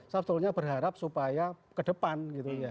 sebetulnya berharap supaya kedepan gitu ya